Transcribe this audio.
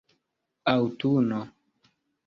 aŭtuno